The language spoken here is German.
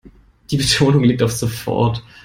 Die Betonung liegt auf sofort.